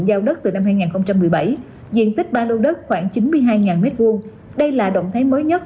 giao đất từ năm hai nghìn một mươi bảy diện tích ba lô đất khoảng chín mươi hai m hai đây là động thái mới nhất